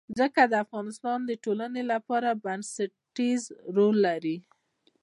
ځمکه د افغانستان د ټولنې لپاره بنسټيز رول لري.